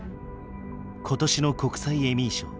今年の国際エミー賞